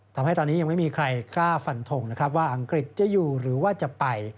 ทำให้ตอนนี้ยังไม่มีใครกล้าฟันทงนะครับว่าอังกฤษจะอยู่หรือว่าจะไป